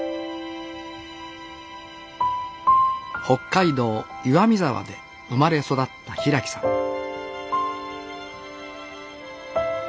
北海道岩見沢で生まれ育った平木さん